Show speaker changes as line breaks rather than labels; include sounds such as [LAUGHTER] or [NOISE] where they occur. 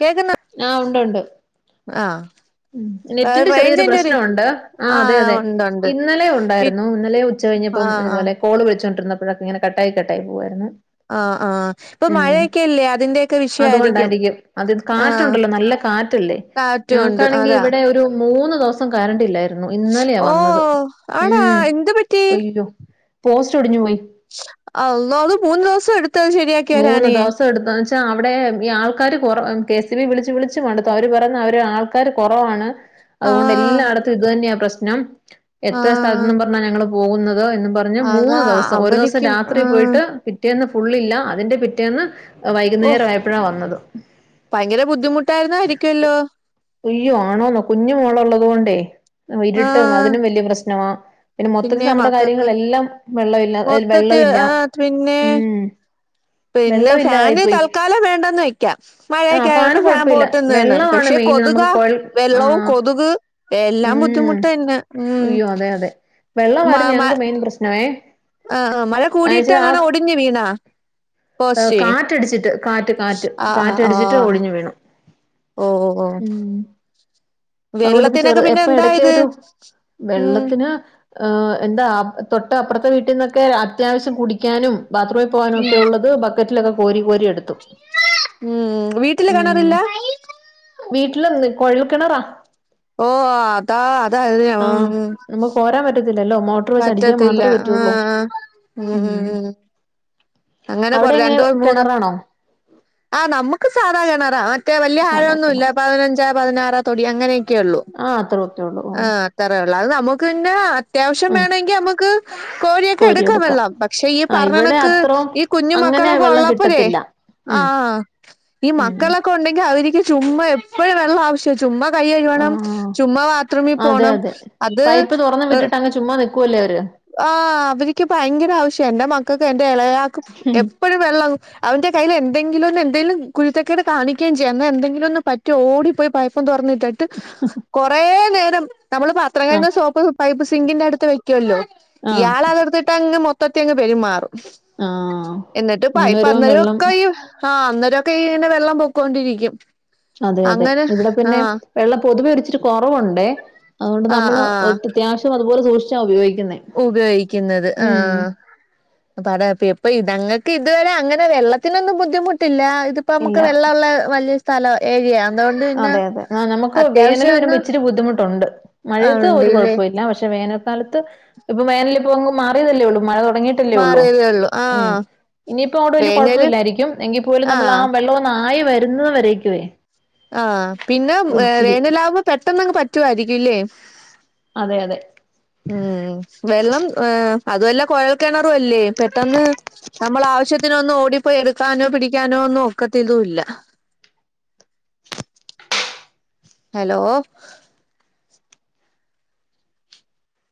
കേക്കുന്ന
ആ ഒണ്ട് ഒണ്ട്
ആഹ്
നെറ്റിന്റെ ചെറിയൊരു
റേഞ്ചിന്റെ ഒരു
പ്രശ്നം ഒണ്ട് ആ
ആഹ്
അതെയതെ
ഉണ്ട് ഉണ്ട്
ഇന്നലെ
പി
ഒണ്ടായിരുന്നു ഇന്നലെ ഉച്ചകഴിഞ്ഞപ്പം
ആഹ് ആഹ്
ഇതുപോലെ കോള് വിളിച്ചോണ്ടിരുന്നപ്- ഇങ്ങനെ കട്ടായി കട്ടായി പോകുവായിരുന്നു.
ആ ആ ഇപ്പം മഴയൊക്കെയല്ലേ അതിന്റെയൊക്കെ വിഷയായിരിക്കും
അതുകൊണ്ടായിരിക്കും അത്
ആ
കാറ്റുണ്ടല്ലോ
കാറ്റുവൊണ്ട്.
ഈ ഇവിടെ ഒരു മൂന്നു ദൊവസം കറണ്ടില്ലായിരുന്നു.
ഓ ആണാ എന്തുപറ്റി?
അയ്യോ പോസ്റ്റ് ഒടിഞ്ഞു പോയി.
അള്ളോ അത് മൂന്ന് ദൊവസം എടുത് ഇത് ഒന്ന് ശെരിയാക്കി
മൂന്ന്
വരാനെ
ദിവസം എടുത്തന്ന് വെച്ചാ അവിടെ ഈ ആൾക്കാര് കൊറ കെ സ് ഇ ബി വിളിച്ച് വിളിച്ച് മടുത്തു അവര് പറയുന്നു അവര് ആൾക്കാര് കൊറവാണ്
ആഹ്
അതുകൊണ്ടെല്ലാടത്തും ഇതുതന്നെയാ പ്രശ്ന- ന്നം [UNINTELLIGIBLE] എത്ര
ആഹ്
സ്ഥലത്തുന്നും പറഞ്ഞ ഞങ്ങളും മൂന്ന് എന്നും പറഞ്ഞ് മൂന്ന്
അതാ
ദെവസം ഒരു ദിവസം
അവരിക്കും
രാത്രി
ആഹ്
പോയിട്ട് പിറ്റേന്ന് ഫുള്ളില്ല അ അതിന്റെ പിറ്റേന്ന്
ഓഹ്
വൈകുന്നേരായപ്പഴാ വന്നത്
ഭയങ്കര ബുദ്ധിമുട്ട് ആർന്നാരിക്കൊല്ലോ
ഒയ്യോ ആണോന്നോ കുഞ്ഞു മോള് ഉള്ളതോണ്ടേ ഇരുട്ടും
ആഹ്
അതിനും വല്യ പ്രശ്നമാ. പിന്നെ മൊത്തത്തിൽ നമ്മടെ കാര്യങ്ങളിലെല്ലാം വെള്ളവില്ല
മൊത്തത്തി
വെള്ളവില്ല
ആഹ് പിന്നെ
ഉം
പിന്നെ
വെള്ളമില്ലാതായി
ഫാന്
പോയി
തൽക്കാലം വേണ്ടന്ന് വക്കാം
ആഹ്
മഴയൊക്കെ ആയോണ്ട് ഫാൻ
കൊഴപ്പയില്ല
പോട്ടെന്ന്ന്നെ
വെള്ളമാണ്
പക്ഷെ
മെയിൻ
കൊതു- ക
നമുക്ക് കൊഴൽ
വെള്ളവും
ആഹ്
കൊതുക് എല്ലാം
ഉം
ബുദ്ധിമുട്ടായ്ന്ന്
അയ്യോ അതെ അതെ
മ്മ് മ്
വെള്ളമായിരുന്നു
മ
ഞങ്ങക്ക് മെയിൻ പ്രശ്നമേ
ആഹ് അഹ് മഴ
അയച്ച ആ
കൂടിട്ടാണോ ഒടിഞ്ഞു വീണ
ഏ,
പോസ്റ്റ്‌
കാറ്റടിച്ചിട്ട് കാറ്റ് കാറ്റ്
ആഹ് അഹ്
കാറ്റടിച്ചിട്ട്
ആഹ്
ഒടിഞ്ഞു വീണു
ഓഹ് ഓഹ് ഓഹ്
അതോണ്ട് ഇപ്പോ
വെള്ളത്തിനൊക്കെ
ചെറ്
പിന്നെ
എപ്പോ
എന്താ
എടക്ക്
ഇത്
ഒരു
ഉം
വെള്ളത്തിന് എന്താ ആ ആപ് തൊ തൊട്ട് അപ്പുറത്തെ വീട്ടീനൊക്കെ അത്യാവശ്യം കുടിക്കാനും ബാത്‌റൂമി പോവാനുവോക്കെയുള്ളത് ബക്ക് മറ്റുള്ളതോ കോരി കോരി എടുത്തു
മ്മ്മ് വീട്ടില്
ഉം
കിണറില്ല
വീട്ടില് നിക്ക് കൊഴൽകിണറാ
ഓഹ് ഓഹ് അതാ അതല്ലേ
ല്ലല്ലോ മോട്ടോർ വച്ച് മാത്രം അടിക്കാൻ പറ്റുള്ളൂ
ഉം ഉം അങ്ങനെ
അവിടെ
കൊറേ
എങ്ങനെ
രണ്ടോ മൂന്ന്
കിണറാണോ
ആ നമ്മക്ക് സാധാ കിണറാ അതൊക്കെ വല്യ
സാധാ
അഴൊന്നും
കിണർ
ല്ല പതിനഞ്ചു പതിനറോ തൊടി അങ്ങനോക്കെ ഒള്ളു
ആഹ് അത്രയൊക്കെ ഉള്ളൂ ഓ
ആ അത്രള്ളൂ അത് നമ്മക്ക് പിന്നെ അത്യാവശ്യം നമ്മക്ക്
ഉം
വേണേൽ നമ്മക്ക് കോരി ഒക്കെ എടുക്കാ
കോരിയെടുക്കാം
വെള്ളം പക്ഷെ ഈ
ആഹ് ഇവിടെ
പറഞ്ഞണക്ക്
അത്രോം
ഈ കുഞ്ഞു
അങ്ങനെ
മക്കളൊക്കെ
വെള്ളം
ഉള്ളപ്പോഴേ
കിട്ടത്തില്ല
ആ
ഉം
ഈ
ഉം
മക്കളൊക്കെ ഉണ്ടങ്കില് അവര്ക്ക് ചുമ്മ എപ്പഴും വെള്ളം അവശ്യ ചുമ്മാ കൈ കഴിക്കണം
ആഹ്
ചുമ്മാ ബാത്റൂമി
അതെ
പോണം
അതെ
അത്
ക്കുല്ലേ
ആ അവരിക്ക് ഭയങ്കര അവശ്യ എന്റെ മക്കക്ക് എന്റെ എളയ ആൾക് എപ്പോഴും വെള്ള അവൻ്റെ കയ്യില് എന്തെങ്കിലും എന്തേങ്കിലും ഉണ്ടെങ്കില് കുരുത്തക്കേട് കാണി ക്കേം ചെയ്യും എന്നാ എന്തെങ്കിലും പറ്റിയാ ഓടി പൈപ്പും തൊറന്നി- ന്നിട്ട് കുറേ നേരത്തേ- [UNINTELLIGIBLE] നമ്മൾ പാത്രം
ആഹ്
കഴുകുന്ന സോപ്പ് പൈപ്പ് സിങ്കിൻ്റെ അടുത്ത് വെയ്ക്കല്ലോ
ആഹ്
ഇയാളതെട്ത്തിട്ട് [UNINTELLIGIBLE] മൊത്തത്തിൻ പെരുമാറും
ആഹ്
എന്നിട്ട്
അങ്ങനെ
പൈപ്പ്
വരുമ്പം വെള്ളം
[UNINTELLIGIBLE] ആഅന്നേരം ഒക്കെ ഇതിന്ന് വെള്ളം പൊക്കോണ്ടിരിക്കും
അതെ അതെ
അങ്ങനെ
ഇവിടെ പിന്നെ
ആഹ്
വെള്ളം പൊതുവെ ഒരു ചി- ഇച്ച് കൊറവുണ്ടേ അത് കൊണ്ട്
ആഹ്
നമ്മള്
ആഹ്
ഒരു അത്യാവശ്യ [UNINTELLIGIBLE] [UNINTELLIGIBLE]
ഉപയോഗിക്കുന്നത്. ആ [UNINTELLIGIBLE] എപ്പഴും ഇതന്നെ [INAUDIBLE]
ഇല്ല.
[UNINTELLIGIBLE] [INAUDIBLE] [UNINTELLIGIBLE] സ്ഥലം ഏരിയ അതുകൊണ്ട് പിന്നെ
അതെ അതെ ആ നമുക്ക് വേനൽ
അത്യാവശ്യം
വരുമ്പോ
ഒന്ന്
ഇച്ചിരി ബുദ്ധിമുട്ടുണ്ട്.
ആഹ്
മഴയത്ത് ഒരു
ഉണ്ട്ല്ലേ
കുഴപ്പൂല്ല പക്ഷേ വേനൽ കാലത്ത് ഇപ്പൊ വേനലിപ്പോ മാറിയതല്ലേ ഉള്ളൂ മഴ തൊട് തുടങ്ങിട്ടല്ലേള്ളൂ
മാറിയതേ ഉള്ളൂ
ഉം
ആഹ്
ഇനിയിപ്പോ അതോണ്ട് വല്യ
വേനല്
കൊഴപ്പോല്ലായിരിക്കും. എങ്കിൽ പോലും നമ്മള് ആ
ആഹ്
വെള്ളം ഒന്ന് ആയി വരുന്ന വരേക്കുവേ
ആഹ് പിന്നെ ഉം ഏ
ഒരിച്ചിരി
വേനലാവുമ്പോ [UNINTELLIGIBLE] പെട്ടന്നങ് പറ്റുമായിരിക്കുംല്ലേ
അതെ അതെ
അതുഅല്ല കുഴൽക്കിണറും അല്ലേ പെട്ടെന്ന് നമ്മളാവശ്യത്തിനൊന്ന് ഓടിപ്പോയി എടുക്കാനോ പിടിക്കാനോ ഒന്നും ഒക്കത്തിതും ഇല്ല ഹലോ